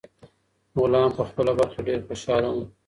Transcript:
غلام په خپله برخه ډیر خوشاله و.